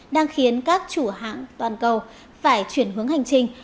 đang khiến các chủ hãng toàn cầu phải chuyển hướng hành trình